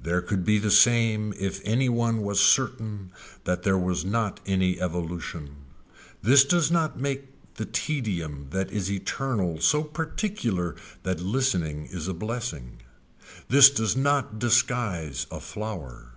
There could be the same if any one was certain that there is not any evolution. This does not make the tedium that is eternal so particular that listening is a blessing. This does not disguise a flower.